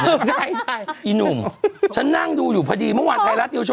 อีหนุ่มฉันนั่งดูอยู่พอดีเมื่อวานไทยรัฐนิวโช